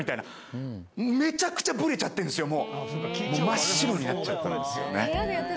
真っ白になっちゃったんですよね